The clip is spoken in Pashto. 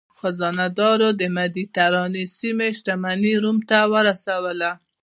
خزانه دارو د مدترانې سیمې شتمني روم ته ورسوله.